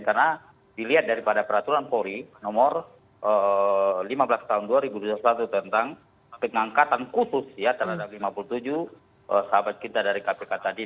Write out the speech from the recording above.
karena dilihat daripada peraturan polri nomor lima belas tahun dua ribu dua belas tentang pengangkatan kutus ya terhadap lima puluh tujuh sahabat kita dari kpk tadi